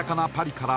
から